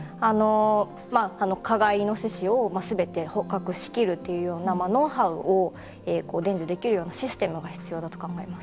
加害イノシシをすべて捕獲しきるというようなノウハウを伝授できるようなシステムが必要だと考えます。